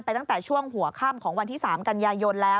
ตั้งแต่ช่วงหัวค่ำของวันที่๓กันยายนแล้ว